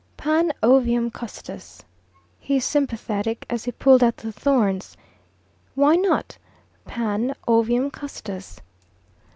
"Pan ovium custos," he sympathetic, as he pulled out the thorns. "Why not?" "Pan ovium custos."